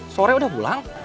sore udah pulang